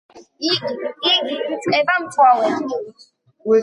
იგი იწყება მწვავედ.